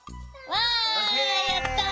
わあやった！